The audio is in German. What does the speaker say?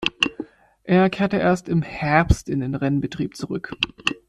Er kehrte erst im Herbst in den Rennbetrieb zurück.